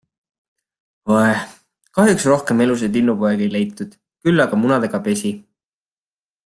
Kahjuks rohkem elusaid linnupoegi ei leitud, küll aga munadega pesi.